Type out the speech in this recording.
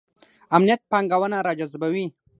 امنیت پانګونه راجذبوي